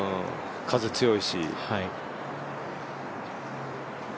風強いし。